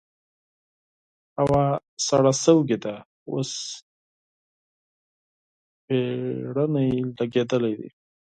هوا سړه شوې ده؛ اوس پېړنی لګېدلی دی.